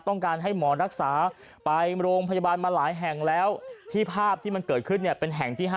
ต้องการให้หมอรักษาไปโรงพยาบาลมาหลายแห่งแล้วที่ภาพที่มันเกิดขึ้นเนี่ยเป็นแห่งที่๕